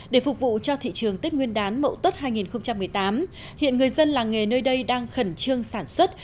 để phục vụ cho thị trường tết nguyên đán mậu tuất hai nghìn một mươi tám hiện người dân làng nghề nơi đây đang khẩn trương sản xuất